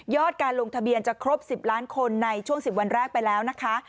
การลงทะเบียนจะครบ๑๐ล้านคนในช่วง๑๐วันแรกไปแล้วนะคะ